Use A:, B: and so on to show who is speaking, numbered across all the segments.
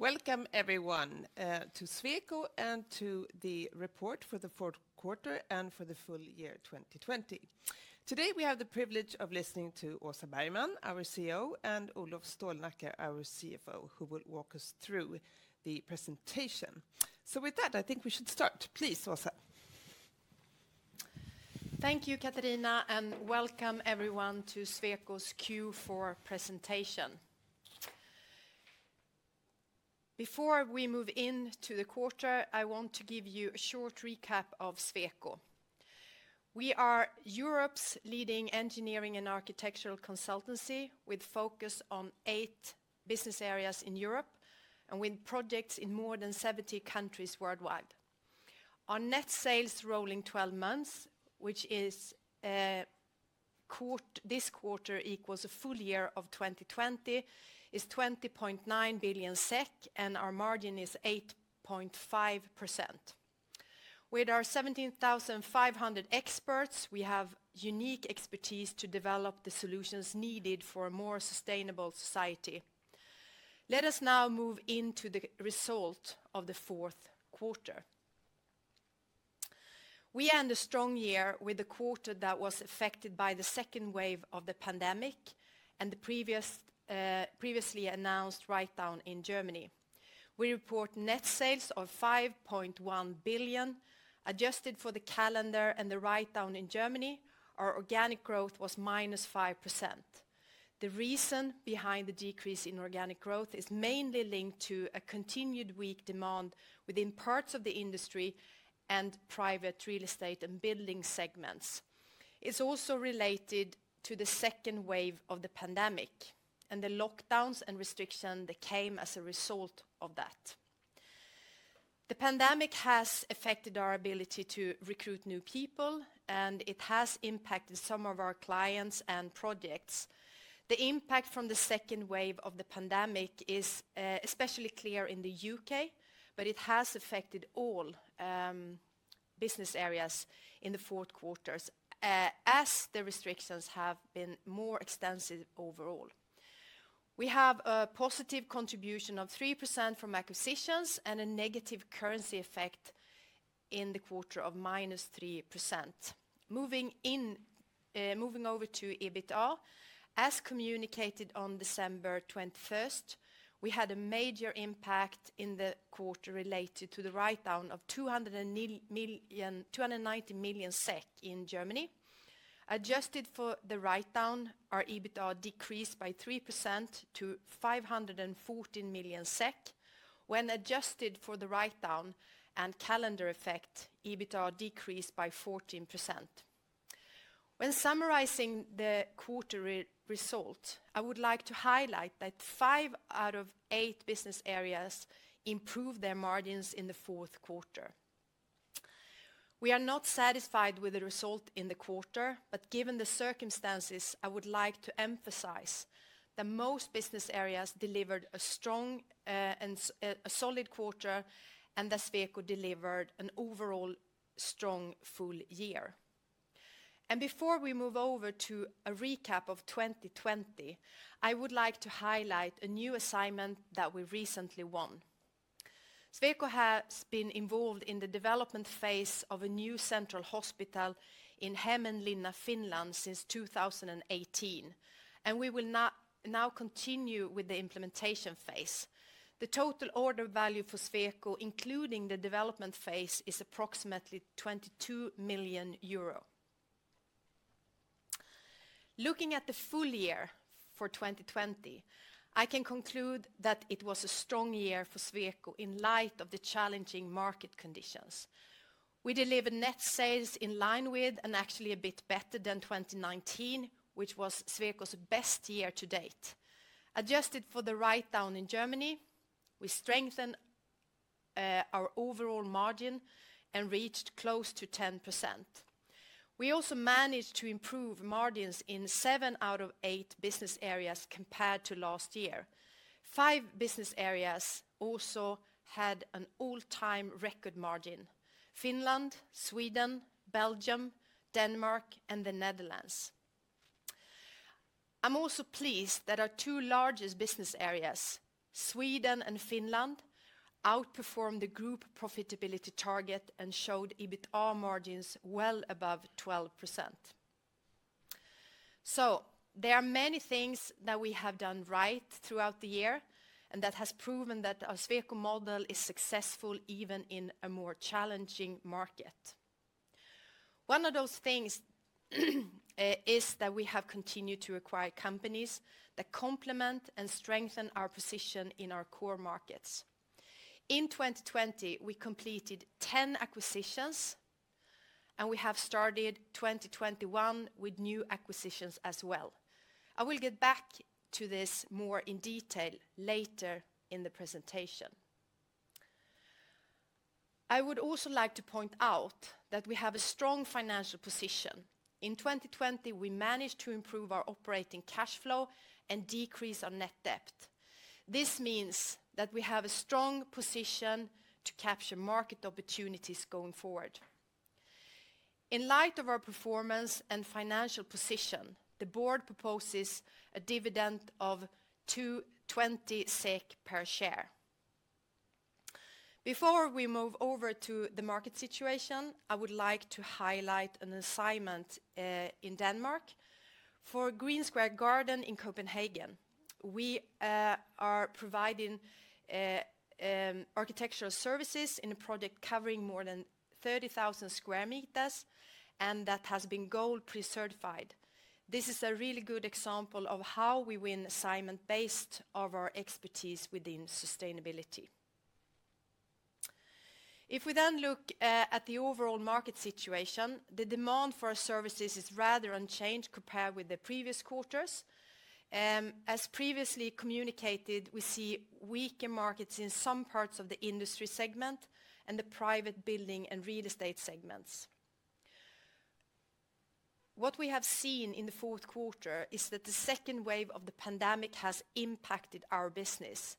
A: Welcome, everyone, to Sweco and to the report for the fourth quarter and for the full year 2020. Today, we have the privilege of listening to Åsa Bergman, our CEO, and Olof Stålnacke, our CFO, who will walk us through the presentation. With that, I think we should start. Please, Åsa.
B: Thank you, Katarina, and welcome, everyone, to Sweco's Q4 presentation. Before we move into the quarter, I want to give you a short recap of Sweco. We are Europe's leading engineering and architectural consultancy, with focus on eight Business Areas in Europe, and with projects in more than 70 countries worldwide. Our net sales rolling 12 months, which this quarter equals a full year of 2020, is 20.9 billion SEK, and our margin is 8.5%. With our 17,500 experts, we have unique expertise to develop the solutions needed for a more sustainable society. Let us now move into the result of the fourth quarter. We end a strong year with a quarter that was affected by the second wave of the pandemic and the previously announced writedown in Germany. We report net sales of 5.1 billion. Adjusted for the calendar and the writedown in Germany, our organic growth was -5%. The reason behind the decrease in organic growth is mainly linked to a continued weak demand within parts of the industry and private real estate and building segments. It's also related to the second wave of the pandemic and the lockdowns and restriction that came as a result of that. The pandemic has affected our ability to recruit new people, and it has impacted some of our clients and projects. The impact from the second wave of the pandemic is especially clear in the U.K., but it has affected all Business Areas in the fourth quarters as the restrictions have been more extensive overall. We have a positive contribution of 3% from acquisitions and a negative currency effect in the quarter of -3%. Moving over to EBITDA, as communicated on December 21st, we had a major impact in the quarter related to the writedown of 290 million SEK in Germany. Adjusted for the write-down, our EBITDA decreased by 3% to 514 million SEK. When adjusted for the write-down and calendar effect, EBITDA decreased by 14%. When summarizing the quarter result, I would like to highlight that five out of eight Business Areas improved their margins in the fourth quarter. We are not satisfied with the result in the quarter, but given the circumstances, I would like to emphasize that most Business Areas delivered a strong and a solid quarter, and that Sweco delivered an overall strong full year. Before we move over to a recap of 2020, I would like to highlight a new assignment that we recently won. Sweco has been involved in the development phase of a new central hospital in Hämeenlinna, Finland since 2018, and we will now continue with the implementation phase. The total order value for Sweco, including the development phase, is approximately 22 million euro. Looking at the full year for 2020, I can conclude that it was a strong year for Sweco in light of the challenging market conditions. We delivered net sales in line with and actually a bit better than 2019, which was Sweco's best year-to-date. Adjusted for the writedown in Germany, we strengthened our overall margin and reached close to 10%. We also managed to improve margins in seven out of eight Business Areas compared to last year. Five Business Areas also had an all-time record margin: Finland, Sweden, Belgium, Denmark, and the Netherlands. I'm also pleased that our two largest Business Areas, Sweden and Finland, outperformed the group profitability target and showed EBITDA margins well above 12%. There are many things that we have done right throughout the year, and that has proven that our Sweco model is successful even in a more challenging market. One of those things is that we have continued to acquire companies that complement and strengthen our position in our core markets. In 2020, we completed 10 acquisitions, and we have started 2021 with new acquisitions as well. I will get back to this more in detail later in the presentation. I would also like to point out that we have a strong financial position. In 2020, we managed to improve our operating cash flow and decrease our net debt. This means that we have a strong position to capture market opportunities going forward. In light of our performance and financial position, the board proposes a dividend of 2.20 SEK per share. Before we move over to the market situation, I would like to highlight an assignment in Denmark for Green Square Garden in Copenhagen. We are providing architectural services in a project covering more than 30,000 sq m. That has been gold pre-certified. This is a really good example of how we win assignments based on our expertise within sustainability. If we then look at the overall market situation, the demand for our services is rather unchanged compared with the previous quarters. As previously communicated, we see weaker markets in some parts of the industry segment and the private building and real estate segments. What we have seen in the fourth quarter is that the second wave of the pandemic has impacted our business.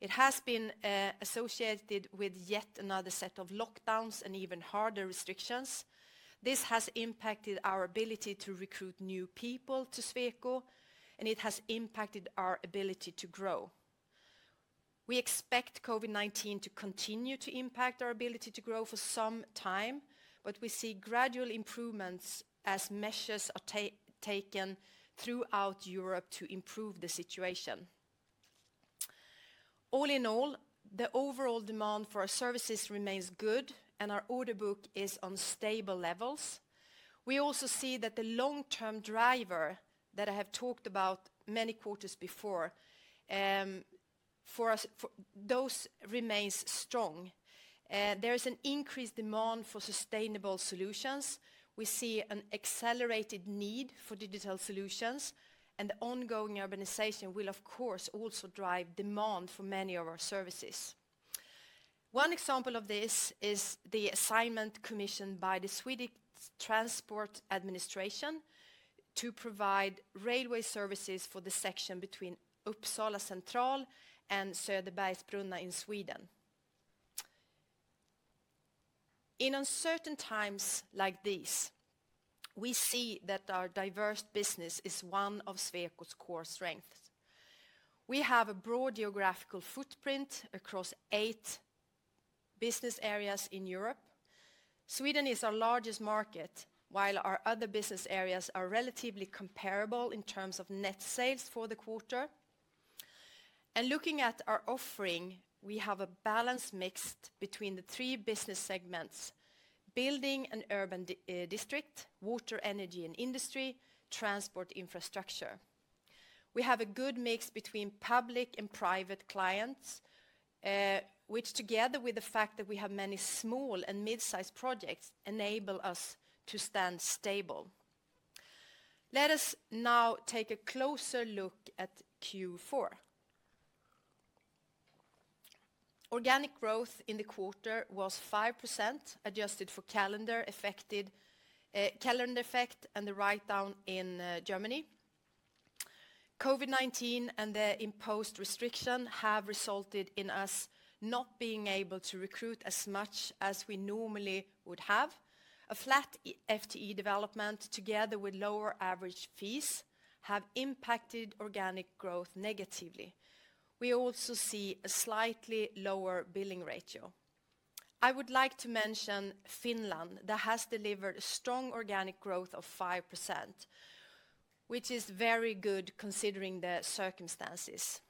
B: It has been associated with yet another set of lockdowns and even harder restrictions. This has impacted our ability to recruit new people to Sweco, and it has impacted our ability to grow. We expect COVID-19 to continue to impact our ability to grow for some time, but we see gradual improvements as measures are taken throughout Europe to improve the situation. All in all, the overall demand for our services remains good, and our order book is on stable levels. We also see that the long-term driver that I have talked about many quarters before, those remain strong. There is an increased demand for sustainable solutions. We see an accelerated need for digital solutions, and the ongoing urbanization will, of course, also drive demand for many of our services. One example of this is the assignment commissioned by the Swedish Transport Administration to provide railway services for the section between Uppsala Central and Söderby Brunna in Sweden. In uncertain times like these, we see that our diverse business is one of Sweco's core strengths. We have a broad geographical footprint across eight Business Areas in Europe. Sweden is our largest market, while our other Business Areas are relatively comparable in terms of net sales for the quarter. Looking at our offering, we have a balanced mix between the three business segments: building and urban district, water, energy, and industry, transport infrastructure. We have a good mix between public and private clients, which together with the fact that we have many small and mid-size projects, enable us to stand stable. Let us now take a closer look at Q4. Organic growth in the quarter was 5%, adjusted for calendar effect and the write-down in Germany. COVID-19 and the imposed restriction have resulted in us not being able to recruit as much as we normally would have. A flat FTE development, together with lower average fees, have impacted organic growth negatively. We also see a slightly lower billing ratio. I would like to mention Finland, that has delivered strong organic growth of 5%, which is very good considering the circumstances.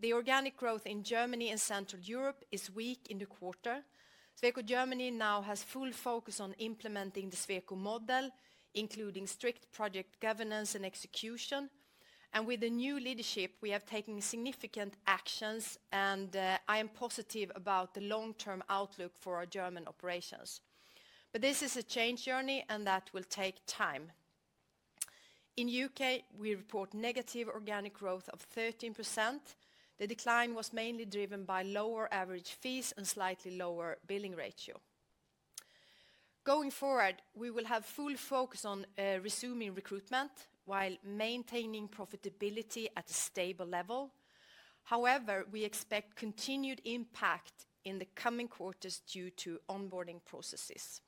B: The organic growth in Germany and Central Europe is weak in the quarter. Sweco Germany now has full focus on implementing the Sweco model, including strict project governance and execution. With the new leadership, we have taken significant actions, and I am positive about the long-term outlook for our German operations. This is a change journey, and that will take time. In U.K., we report negative organic growth of 13%. The decline was mainly driven by lower average fees and slightly lower billing ratio. Going forward, we will have full focus on resuming recruitment while maintaining profitability at a stable level. However, we expect continued impact in the coming quarters due to onboarding processes.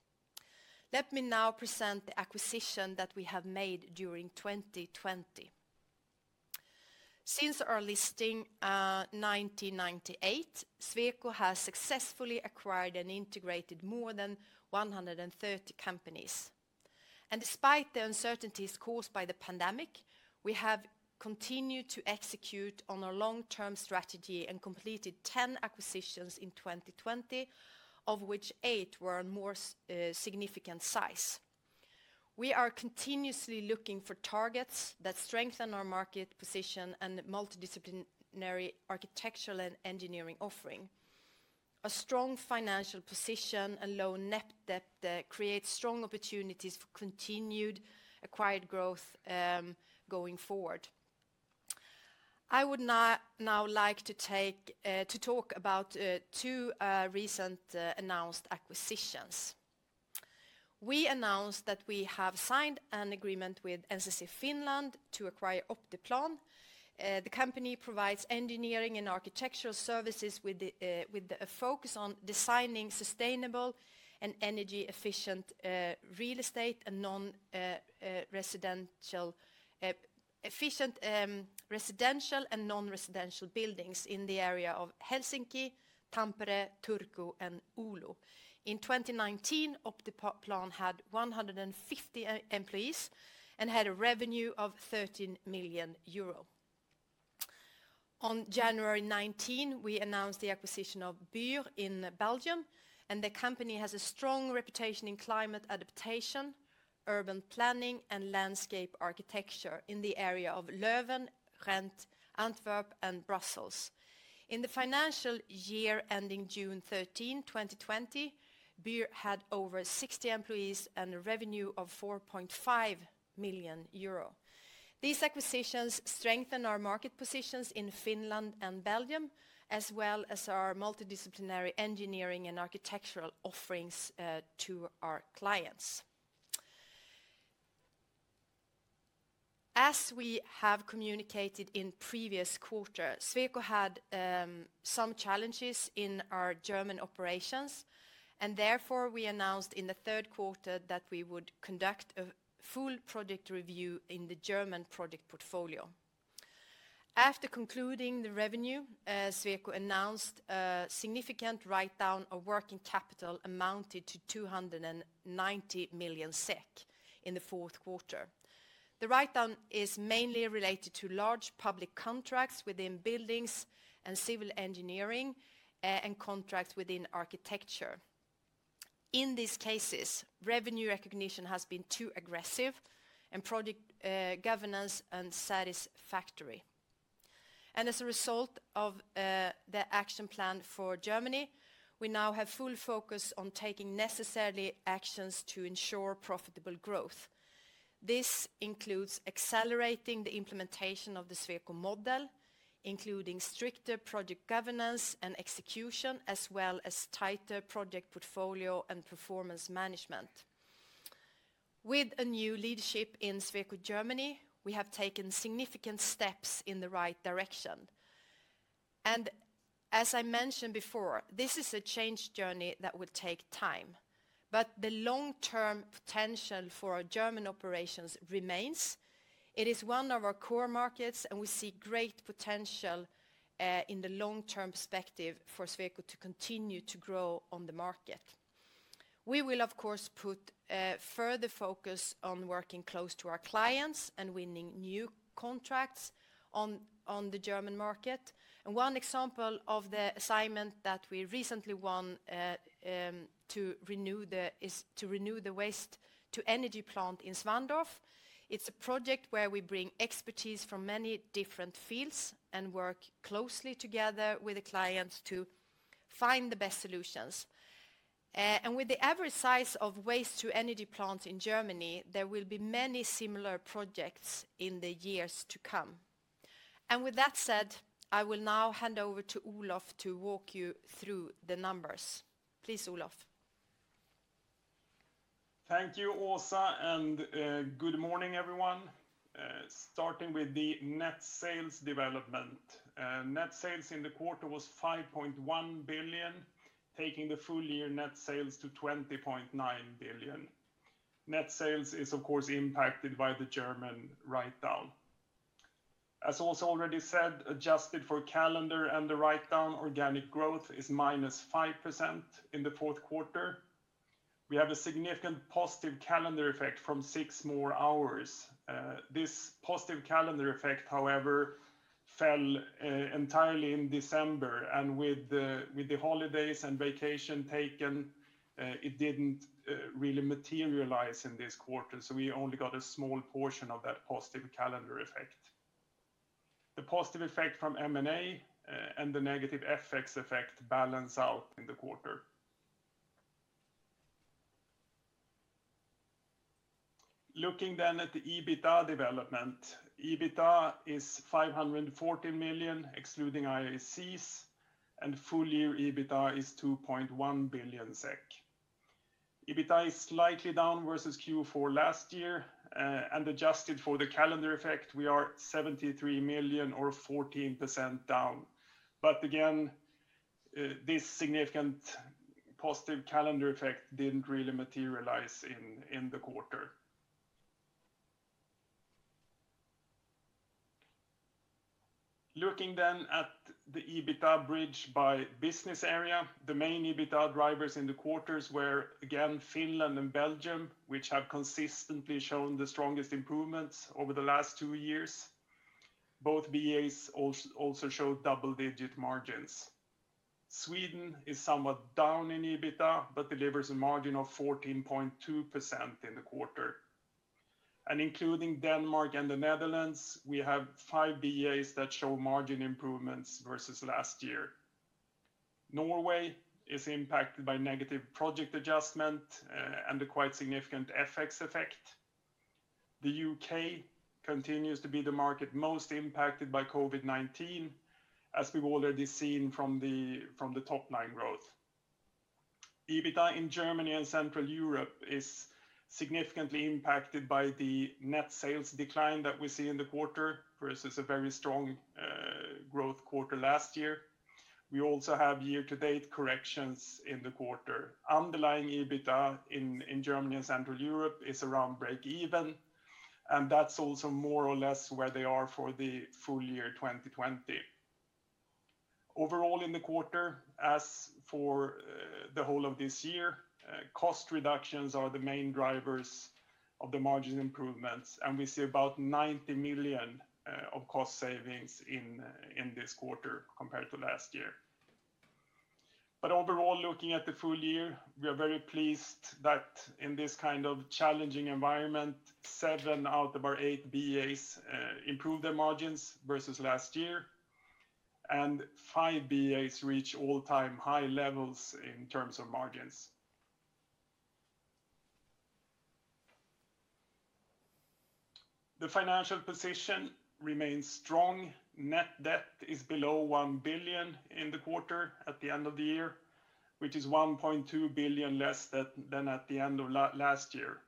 B: Let me now present the acquisition that we have made during 2020. Since our listing, 1998, Sweco has successfully acquired and integrated more than 130 companies. Despite the uncertainties caused by the pandemic, we have continued to execute on our long-term strategy and completed 10 acquisitions in 2020, of which eight were of more significant size. We are continuously looking for targets that strengthen our market position and multidisciplinary architectural and engineering offering. A strong financial position and low net debt that creates strong opportunities for continued acquired growth going forward. I would now like to talk about two recent announced acquisitions. We announced that we have signed an agreement with NCC Finland to acquire Optiplan. The company provides engineering and architectural services with a focus on designing sustainable and energy-efficient real estate and efficient residential and non-residential buildings in the area of Helsinki, Tampere, Turku, and Oulu. In 2019, Optiplan had 150 employees and had a revenue of 13 million euro. On January 19, we announced the acquisition of BUUR in Belgium. The company has a strong reputation in climate adaptation, urban planning, and landscape architecture in the area of Leuven, Ghent, Antwerp, and Brussels. In the financial year ending June 13, 2020, BUUR had over 60 employees and a revenue of 4.5 million euro. These acquisitions strengthen our market positions in Finland and Belgium, as well as our multidisciplinary engineering and architectural offerings to our clients. As we have communicated in previous quarters, Sweco had some challenges in our German operations. Therefore, we announced in the third quarter that we would conduct a full project review in the German project portfolio. After concluding the review, Sweco announced a significant write-down of working capital amounted to 290 million SEK in the fourth quarter. The write-down is mainly related to large public contracts within buildings and civil engineering and contracts within architecture. In these cases, revenue recognition has been too aggressive and project governance unsatisfactory. As a result of the action plan for Germany, we now have full focus on taking necessary actions to ensure profitable growth. This includes accelerating the implementation of the Sweco model, including stricter project governance and execution, as well as tighter project portfolio and performance management. With a new leadership in Sweco Germany, we have taken significant steps in the right direction. As I mentioned before, this is a change journey that will take time, but the long-term potential for our German operations remains. It is one of our core markets, and we see great potential in the long-term perspective for Sweco to continue to grow on the market. We will, of course, put further focus on working close to our clients and winning new contracts on the German market. One example of the assignment that we recently won is to renew the waste to energy plant in Schwandorf. It is a project where we bring expertise from many different fields and work closely together with the clients to find the best solutions. With the average size of waste to energy plants in Germany, there will be many similar projects in the years to come. With that said, I will now hand over to Olof to walk you through the numbers. Please, Olof.
C: Thank you, Åsa, and good morning, everyone. Starting with the net sales development. Net sales in the quarter was 5.1 billion, taking the full-year net sales to 20.9 billion. Net sales is, of course, impacted by the German write-down. As Åsa already said, adjusted for calendar and the write-down, organic growth is -5% in the fourth quarter. We have a significant positive calendar effect from six more hours. This positive calendar effect, however, fell entirely in December, and with the holidays and vacation taken, it didn't really materialize in this quarter, so we only got a small portion of that positive calendar effect. The positive effect from M&A and the negative FX effect balance out in the quarter. Looking at the EBITDA development. EBITDA is 540 million, excluding IACs, and full-year EBITDA is 2.1 billion SEK. EBITDA is slightly down versus Q4 last year. Adjusted for the calendar effect, we are 73 million or 14% down. Again, this significant positive calendar effect didn't really materialize in the quarter. Looking at the EBITDA bridge by Business Area. The main EBITDA drivers in the quarter were, again, Finland and Belgium, which have consistently shown the strongest improvements over the last two years. Both BAs also showed double-digit margins. Sweden is somewhat down in EBITDA but delivers a margin of 14.2% in the quarter. Including Denmark and the Netherlands, we have 5 BAs that show margin improvements versus last year. Norway is impacted by negative project review and a quite significant FX effect. The U.K. continues to be the market most impacted by COVID-19, as we've already seen from the top-line growth. EBITDA in Germany and Central Europe is significantly impacted by the net sales decline that we see in the quarter versus a very strong growth quarter last year. We also have year-to-date corrections in the quarter. Underlying EBITDA in Germany and Central Europe is around break even, and that's also more or less where they are for the full year 2020. Overall in the quarter, as for the whole of this year, cost reductions are the main drivers of the margin improvements, and we see about 90 million of cost savings in this quarter compared to last year. Overall, looking at the full year, we are very pleased that in this kind of challenging environment, seven out of our 8 BAs improved their margins versus last year, and 5 BAs reach all-time high levels in terms of margins. The financial position remains strong. Net debt is below 1 billion in the quarter at the end of the year, which is 1.2 billion less than at the end of last year.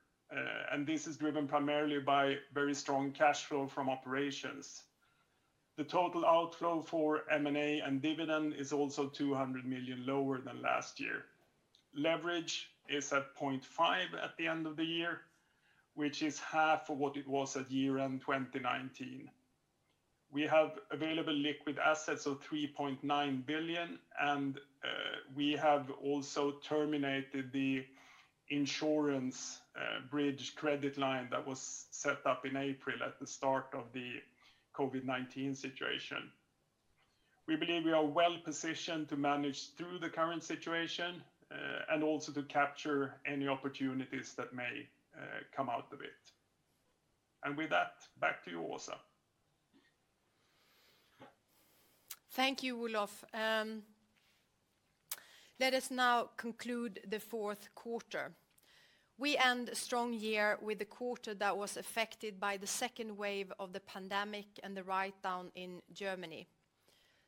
C: This is driven primarily by very strong cash flow from operations. The total outflow for M&A and dividend is also 200 million lower than last year. Leverage is at 0.5 at the end of the year, which is half of what it was at year-end 2019. We have available liquid assets of 3.9 billion, and we have also terminated the insurance bridge credit line that was set up in April at the start of the COVID-19 situation. We believe we are well-positioned to manage through the current situation, and also to capture any opportunities that may come out of it. With that, back to you, Åsa.
B: Thank you, Olof. Let us now conclude the fourth quarter. We end a strong year with a quarter that was affected by the second wave of the pandemic and the write-down in Germany.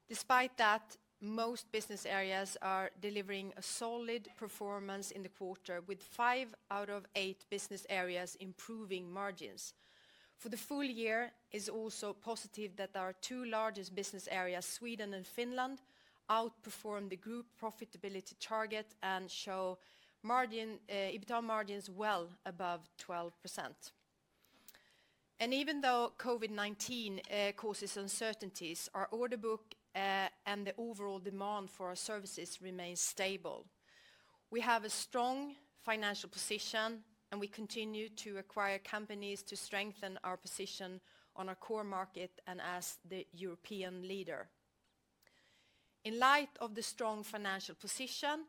B: Despite that, most Business Areas are delivering a solid performance in the quarter, with five out of eight Business Areas improving margins. For the full year, it's also positive that our two largest Business Areas, Sweden and Finland, outperformed the group profitability target and show EBITDA margins well above 12%. Even though COVID-19 causes uncertainties, our order book, and the overall demand for our services remains stable. We have a strong financial position, and we continue to acquire companies to strengthen our position on our core market and as the European leader. In light of the strong financial position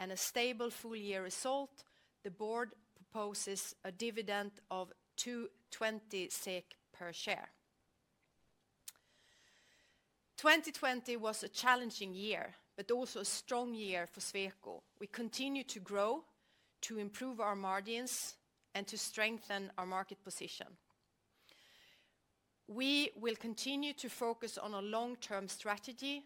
B: and a stable full-year result, the board proposes a dividend of 2.20 SEK per share. 2020 was a challenging year, but also a strong year for Sweco. We continue to grow, to improve our margins, and to strengthen our market position. We will continue to focus on a long-term strategy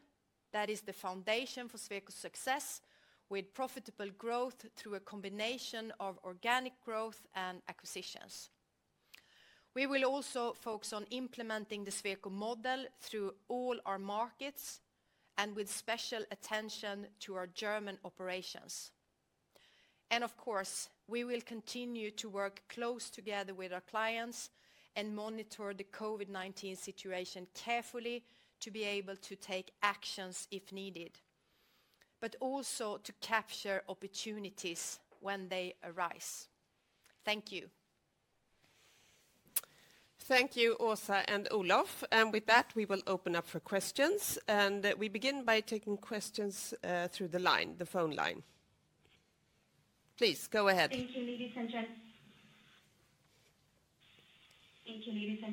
B: that is the foundation for Sweco's success, with profitable growth through a combination of organic growth and acquisitions. We will also focus on implementing the Sweco model through all our markets and with special attention to our German operations. Of course, we will continue to work close together with our clients and monitor the COVID-19 situation carefully to be able to take actions if needed, but also to capture opportunities when they arise. Thank you.
A: Thank you, Åsa and Olof. With that, we will open up for questions. We begin by taking questions through the phone line. Please go ahead.
D: Thank you, ladies and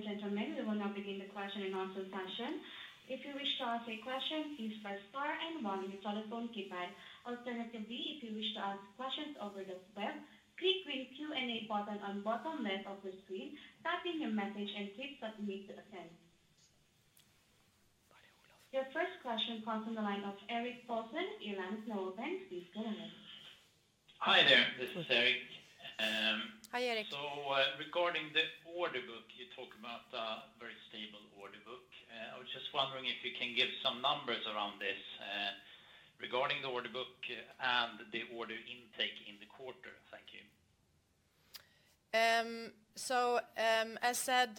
D: gentlemen. We will now begin the question and answer session. If you wish to ask a question, please press star and one on your telephone keypad. Alternatively, if you wish to ask questions over the web, click the Q&A button on bottom left of the screen, type in your message, and click submit to attend. Your first question comes on the line of Erik Paulsson. Your line is now open. Please go ahead.
E: Hi there. This is Erik.
B: Hi, Erik.
E: Regarding the order book, you talk about a very stable order book. I was just wondering if you can give some numbers around this regarding the order book and the order intake in the quarter. Thank you.
B: As said,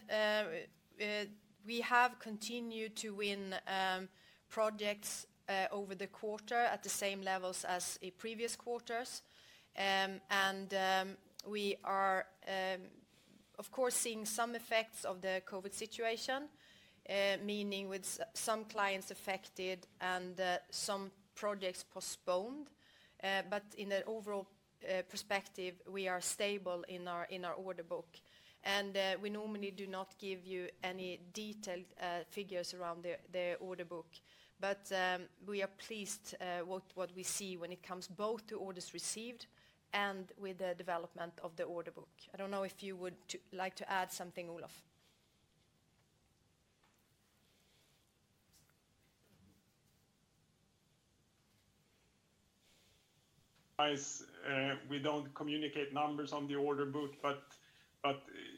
B: we have continued to win projects over the quarter at the same levels as previous quarters. We are of course seeing some effects of the COVID-19 situation, meaning with some clients affected and some projects postponed. In the overall perspective, we are stable in our order book. We normally do not give you any detailed figures around the order book. We are pleased with what we see when it comes both to orders received and with the development of the order book. I don't know if you would like to add something, Olof.
C: As we don't communicate numbers on the order book, but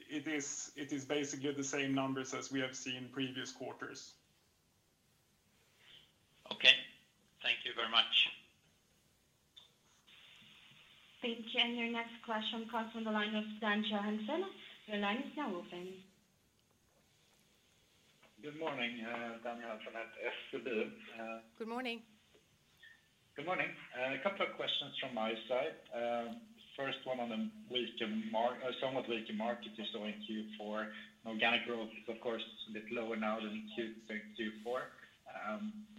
C: it is basically the same numbers as we have seen previous quarters.
E: Okay. Thank you very much.
D: Thank you. Your next question comes from the line of Dan Johansson. Your line is now open.
F: Good morning. Dan Johansson at BAB.
B: Good morning.
F: Good morning. A couple of questions from my side. First one on the somewhat weaker market we saw in Q4. Organic growth is, of course, a bit lower now than Q3, Q4.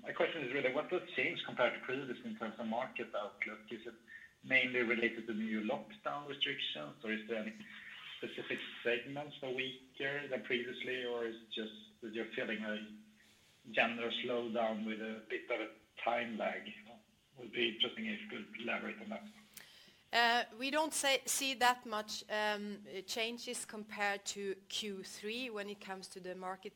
F: My question is really, what has changed compared to previous in terms of market outlook? Is it mainly related to the new lockdown restrictions, or is there any specific segments that are weaker than previously, or is it just that you're feeling a general slowdown with a bit of a time lag? It would be interesting if you could elaborate on that.
B: We don't see that much changes compared to Q3 when it comes to the market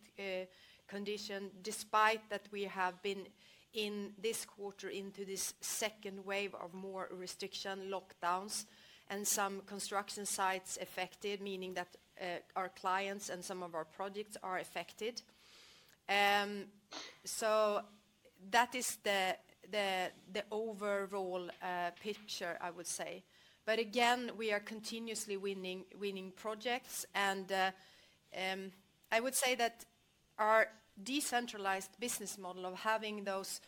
B: condition, despite that we have been, in this quarter, into this second wave of more restriction lockdowns, and some construction sites affected, meaning that our clients and some of our projects are affected. That is the overall picture, I would say. Again, we are continuously winning projects, and I would say that our decentralized business model of having those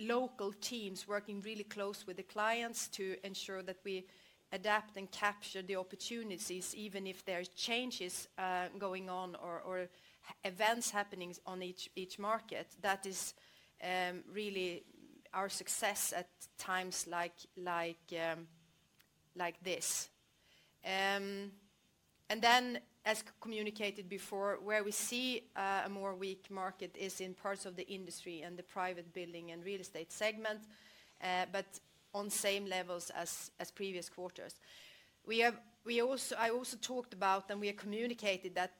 B: local teams working really close with the clients to ensure that we adapt and capture the opportunities, even if there are changes going on or events happening on each market, that is really our success at times like this. As communicated before, where we see a more weak market is in parts of the industry and the private building and real estate segment, but on same levels as previous quarters. I also talked about, we have communicated that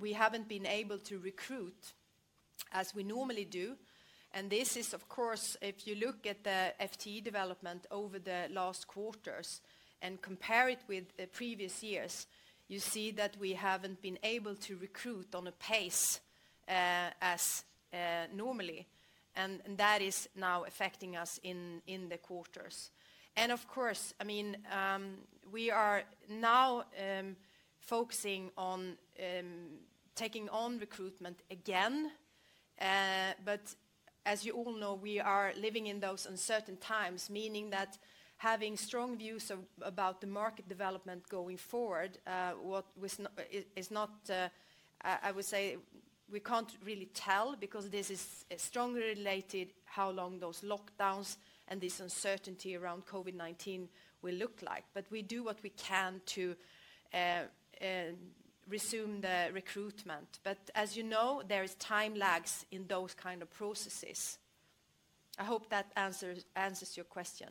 B: we haven't been able to recruit as we normally do. This is, of course, if you look at the FTE development over the last quarters and compare it with the previous years, you see that we haven't been able to recruit on a pace as normally, and that is now affecting us in the quarters. Of course, we are now focusing on taking on recruitment again. As you all know, we are living in those uncertain times, meaning that having strong views about the market development going forward, I would say, we can't really tell, because this is strongly related how long those lockdowns and this uncertainty around COVID-19 will look like. We do what we can to resume the recruitment. As you know, there is time lags in those kind of processes. I hope that answers your question.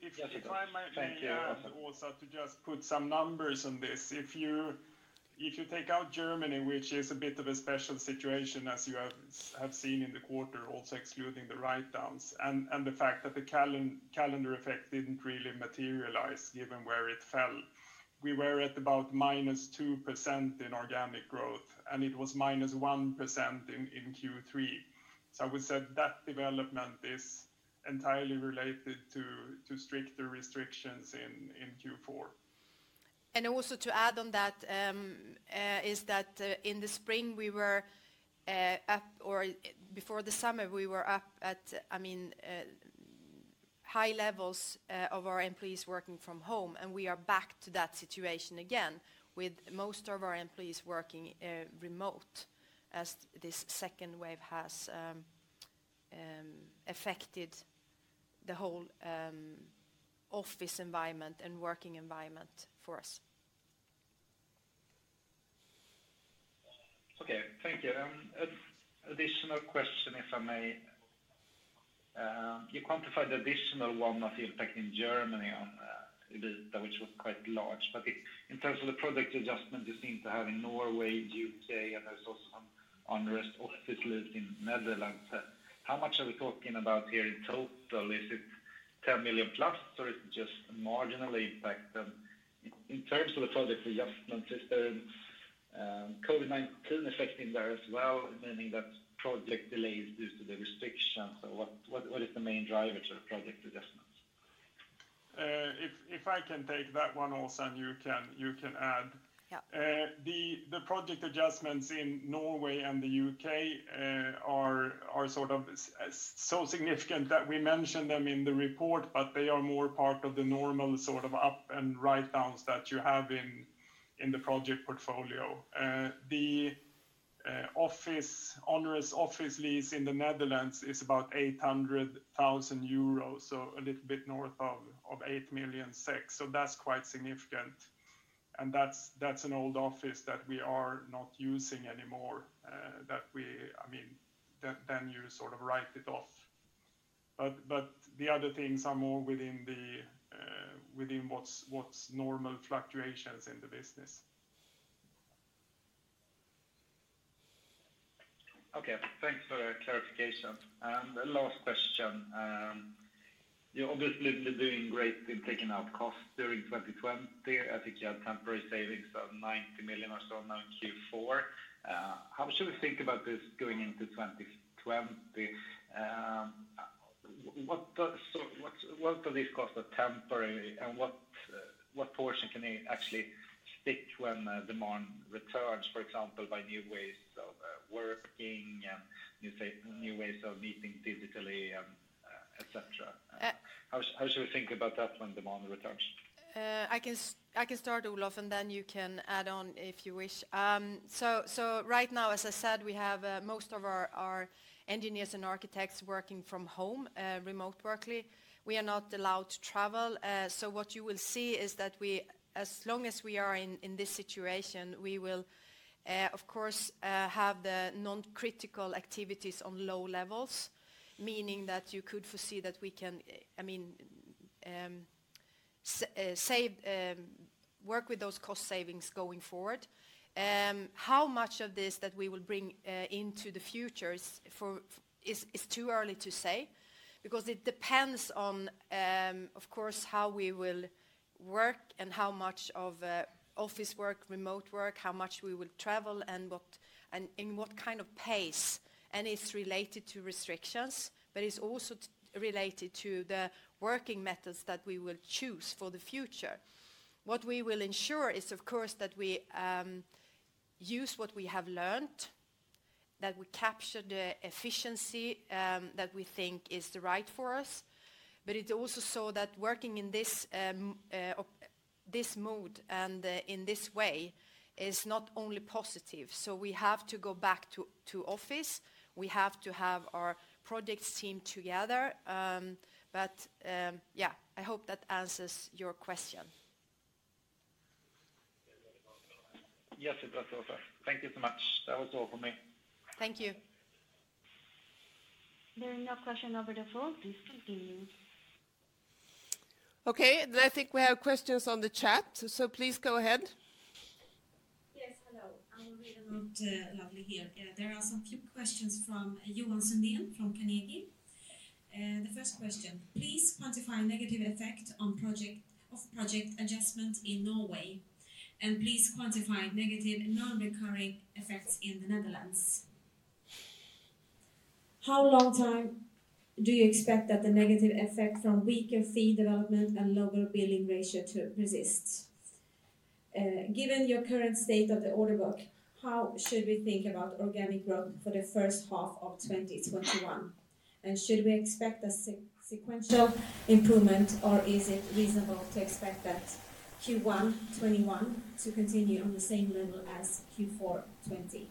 F: Yes, it does. Thank you.
C: If I may add also to just put some numbers on this. If you take out Germany, which is a bit of a special situation as you have seen in the quarter, also excluding the writedowns, and the fact that the calendar effect didn't really materialize given where it fell, we were at about -2% in organic growth, and it was -1% in Q3. I would say that development is entirely related to stricter restrictions in Q4.
B: Also to add on that, is that in the spring, or before the summer, we were up at high levels of our employees working from home, and we are back to that situation again, with most of our employees working remote as this second wave has affected the whole office environment and working environment for us.
F: Okay, thank you. Additional question, if I may. You quantified the additional one of the impacts in Germany on EBITDA, which was quite large. In terms of the project adjustment you seem to have in Norway, U.K., and there's also some unrest officially in Netherlands. How much are we talking about here in total? Is it 10 million+, or is it just marginally impact them? In terms of the project adjustments, is the COVID-19 affecting there as well, meaning that project delays due to the restrictions, or what is the main driver to project adjustments?
C: If I can take that one also, and you can add.
B: Yeah.
C: The project adjustments in Norway and the U.K. are so significant that we mention them in the report, but they are more part of the normal up and writedowns that you have in the project portfolio. Office onerous lease in the Netherlands is about 800,000 euros, so a little bit north of 8 million. That's quite significant. That's an old office that we are not using anymore, that then you sort of write it off. The other things are more within what's normal fluctuations in the business.
F: Okay. Thanks for the clarification. The last question. You're obviously doing great in taking out costs during 2020. I think you had temporary savings of 90 million or so now in Q4. How should we think about this going into 2020? What are these costs of temporary, and what portion can actually stick when demand returns, for example, by new ways of working and new ways of meeting digitally, etc? How should we think about that when demand returns?
B: I can start, Olof, and then you can add on if you wish. Right now, as I said, we have most of our engineers and architects working from home, remote work. We are not allowed to travel. What you will see is that as long as we are in this situation, we will, of course, have the non-critical activities on low levels, meaning that you could foresee that we can work with those cost savings going forward. How much of this that we will bring into the future is too early to say, because it depends on, of course, how we will work and how much of office work, remote work, how much we will travel, and in what kind of pace. It's related to restrictions, but it's also related to the working methods that we will choose for the future. What we will ensure is, of course, that we use what we have learned, that we capture the efficiency that we think is the right for us. It also saw that working in this mode and in this way is not only positive. We have to go back to office. We have to have our project team together. Yeah, I hope that answers your question.
F: Yes, it does also. Thank you so much. That was all for me.
B: Thank you.
D: There are no questions over the phone. Please continue.
A: Okay, I think we have questions on the chat. Please go ahead.
D: Yes. Hello. I'm really not lovely here. There are some few questions from Johan Sundén from Carnegie. The first question, please quantify negative effect of project adjustment in Norway, and please quantify negative non-recurring effects in the Netherlands. How long time do you expect that the negative effect from weaker fee development and lower billing ratio to persist? Given your current state of the order book, how should we think about organic growth for the first half of 2021? Should we expect a sequential improvement, or is it reasonable to expect that Q1 2021 to continue on the same level as Q4 2020?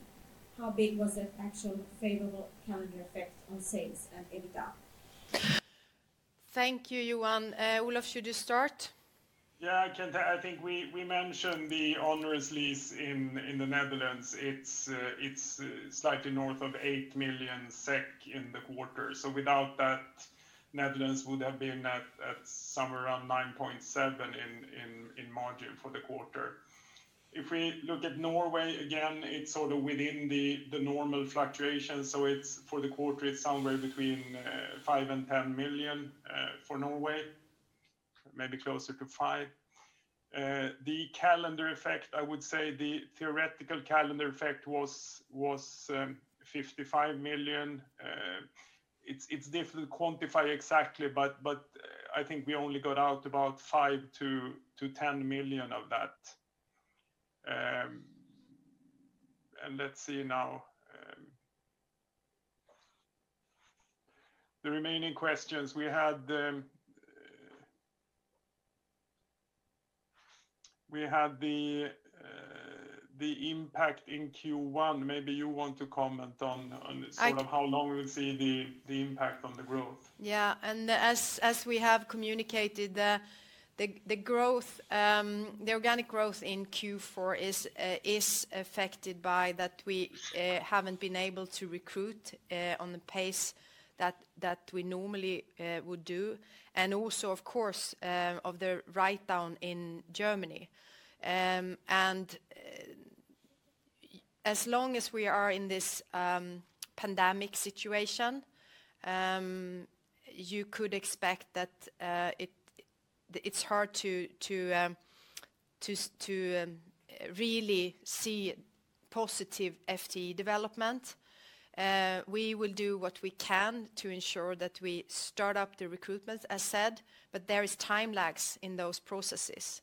D: How big was the actual favorable calendar effect on sales and EBITDA?
B: Thank you, Johan. Olof, should you start?
C: I can. I think we mentioned the onerous lease in the Netherlands. It's slightly north of 8 million SEK in the quarter. Without that, Netherlands would have been at somewhere around 9.7 in margin for the quarter. If we look at Norway, again, it's sort of within the normal fluctuation. For the quarter, it's somewhere between 5 million and 10 million for Norway, maybe closer to 5 million. The calendar effect, I would say the theoretical calendar effect was 55 million. It's difficult to quantify exactly, I think we only got out about 5 million-10 million of that. Let's see now. The remaining questions, we had the impact in Q1. Maybe you want to comment on sort of how long we will see the impact on the growth.
B: As we have communicated, the organic growth in Q4 is affected by that we haven't been able to recruit on the pace that we normally would do. Also, of course, of the write-down in Germany. As long as we are in this pandemic situation, you could expect that it's hard to really see positive FTE development. We will do what we can to ensure that we start up the recruitment, as said, but there is time lags in those processes.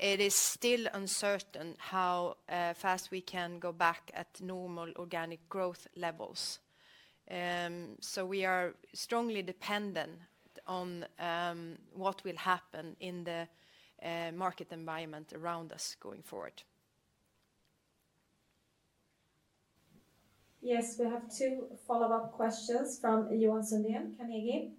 B: It is still uncertain how fast we can go back at normal organic growth levels. We are strongly dependent on what will happen in the market environment around us going forward.
D: Yes, we have two follow-up questions from Johan Sundén, Carnegie.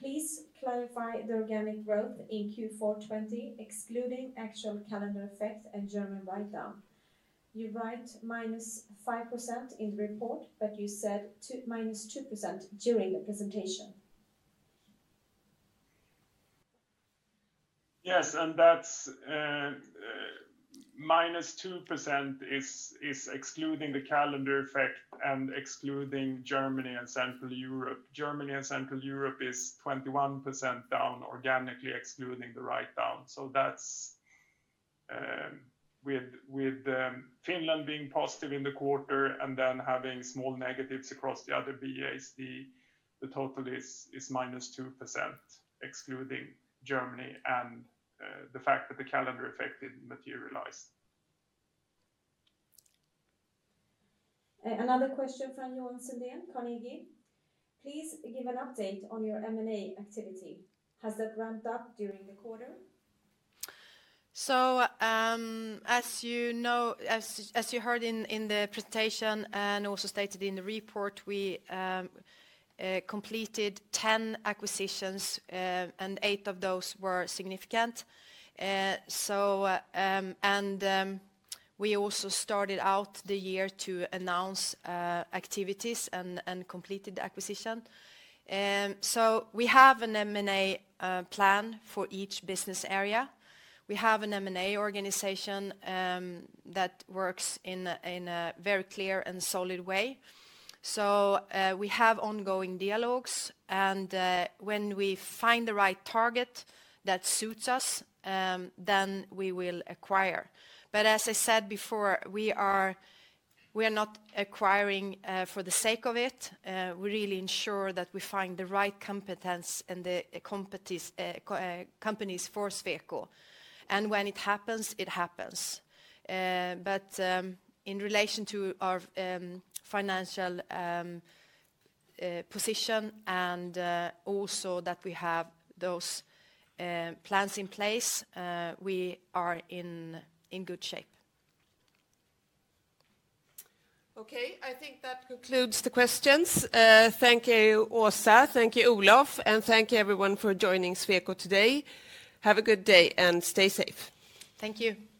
D: Please clarify the organic growth in Q4 2020, excluding actual calendar effects and German write-down. You write -5% in the report, but you said -2% during the presentation.
C: Yes, that -2% is excluding the calendar effect and excluding Germany and Central Europe. Germany and Central Europe is 21% down organically excluding the write-down. That's with Finland being positive in the quarter and then having small negatives across the other BAS, the total is -2%, excluding Germany and the fact that the calendar effect didn't materialize.
D: Another question from Johan Sundén, Carnegie. Please give an update on your M&A activity. Has that ramped up during the quarter?
B: As you heard in the presentation and also stated in the report, we completed 10 acquisitions, and eight of those were significant. We also started out the year to announce activities and completed acquisition. We have an M&A plan for each Business Area. We have an M&A organization that works in a very clear and solid way. We have ongoing dialogues, and when we find the right target that suits us, then we will acquire. As I said before, we are not acquiring for the sake of it. We really ensure that we find the right competence and the companies for Sweco, and when it happens, it happens. In relation to our financial position and also that we have those plans in place, we are in good shape.
A: Okay, I think that concludes the questions. Thank you, Åsa. Thank you, Olof. Thank you, everyone, for joining Sweco today. Have a good day and stay safe.
B: Thank you.